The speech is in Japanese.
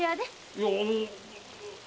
いやあのあ！